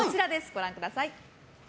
ご覧ください。